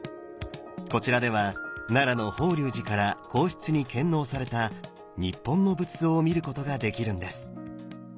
こちらでは奈良の法隆寺から皇室に献納された日本の仏像を見ることができるんです。